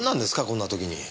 こんな時に。